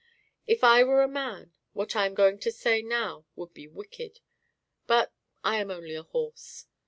If I were a man what I am going to say now would be wicked, but I am only a horse.